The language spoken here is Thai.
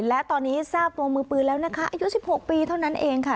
และตอนนี้ทราบตัวมือปืนแล้วนะคะอายุ๑๖ปีเท่านั้นเองค่ะ